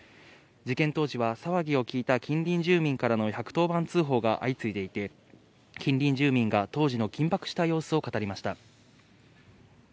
事件当時は、騒ぎを聞いた近隣住民からの１１０番通報が相次いでいて、近隣住民が当時の緊迫した様子を語りました。